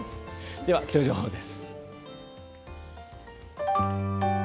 では気象情報です。